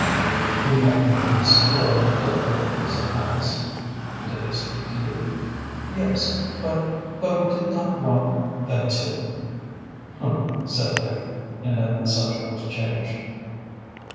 "We met them at the store in Oakville," said Alice. "Did they speak to you?" "Yes, but but we did not want them to." "Humph!" said Dick, and then the subject was changed.